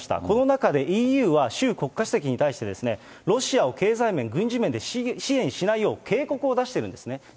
この中でＥＵは、習国家主席に対して、ロシアを経済面、軍事面で支援しないよう警告を出しているんですね。